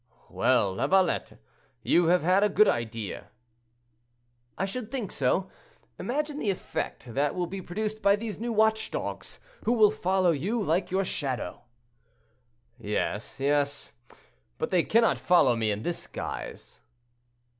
"Well, Lavalette, you have had a good idea." "I should think so. Imagine the effect that will be produced by these new watch dogs, who will follow you like your shadow." "Yes, yes; but they cannot follow me in this guise."